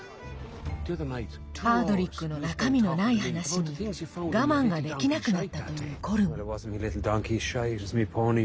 パードリックの中身のない話に我慢ができなくなったというコルム。